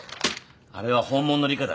あれは本物の理花だ